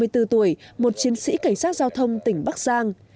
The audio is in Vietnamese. ba mươi bốn tuổi một chiến sĩ cảnh sát giao thông tỉnh bắc giang